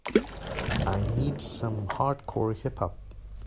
I need some Hardcore Hip Hop